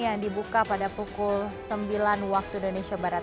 yang dibuka pada pukul sembilan waktu indonesia barat